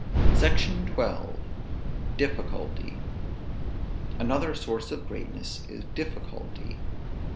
SECTION XII. DIFFICULTY. Another source of greatness is difficulty.